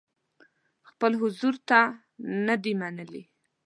خپل حضور ته نه دي منلي.